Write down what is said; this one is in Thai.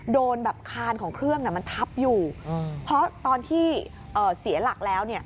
โดนแบบคานของเครื่องมันทับอยู่เพราะตอนที่เสียหลักแล้วเนี่ย